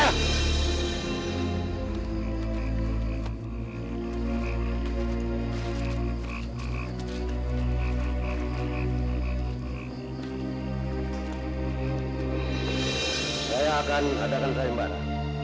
saya akan adakan sayembara